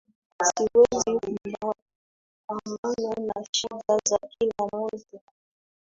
Siwezi kupambana na shida za kila mtu.